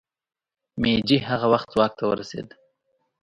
مېجي هغه وخت واک ته ورسېد.